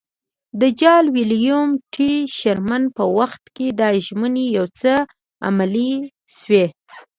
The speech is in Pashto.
د جال ویلیم ټي شرمن په وخت کې دا ژمنې یو څه عملي شوې.